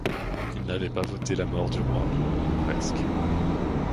Il n’avait pas voté la mort du roi, mais presque.